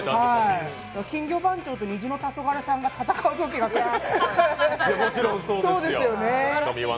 金魚番長と虹の黄昏さんが戦うのが見られるとは。